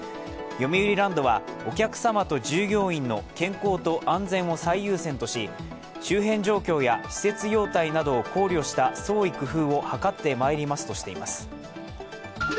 よみうりランドは、お客様と従業員の健康と安全を最優先とし、周辺状況や施設様態などを考慮した創意工夫を図ってまいりますとしています。